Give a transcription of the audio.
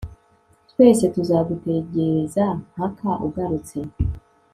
twese tuzagutegereza mpaka ugarutse